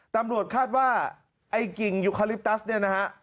ตำรวจคาดว่าไอ้กิ่งยูคาลิปตัสเนี่ยนะฮะ